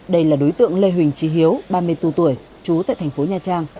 đây là đối tượng lê huỳnh trí hiếu ba mươi bốn tuổi trú tại thành phố nha trang